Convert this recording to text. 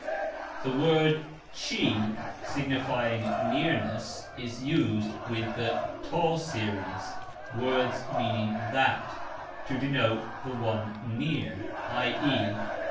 The word "cxi", signifying nearness, is used with the "T" series (words meaning "that"), to denote the one near "i.e.